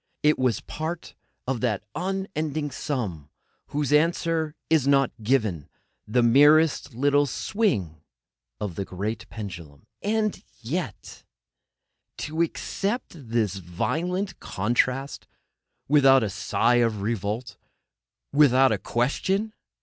It was part of that unending sum whose answer is not given; the merest little swing of the great pendulum! And yet——! To accept this violent contrast without a sigh of revolt, without a question!